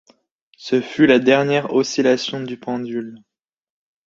Ce fut la dernière oscillation du pendule.